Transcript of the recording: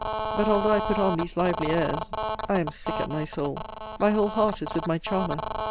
But, although I put on these lively airs, I am sick at my soul! My whole heart is with my charmer!